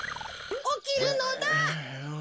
おきるのだ。